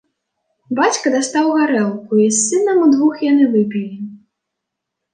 Бацька дастаў гарэлку, і з сынам удвух яны выпілі.